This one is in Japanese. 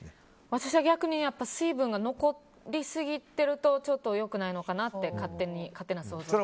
私は逆に水分が残りすぎてるとちょっと良くないのかなって勝手な想像です。